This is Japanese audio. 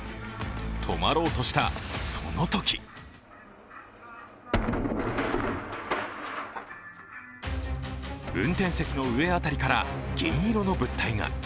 止まろうとした、そのとき運転席の上辺りから銀色の物体が。